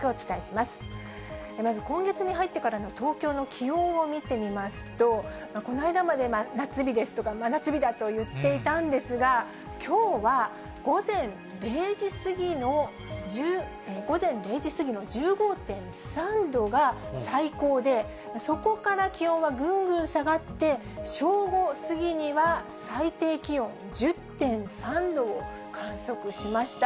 まず、今月に入ってからの東京の気温を見てみますと、この間まで夏日ですとか、真夏日だと言っていたんですが、きょうは午前０時過ぎの１５．３度が最高で、そこから気温はぐんぐん下がって、正午過ぎには最低気温１０．３度を観測しました。